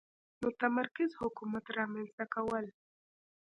متمرکز حکومت رامنځته کول.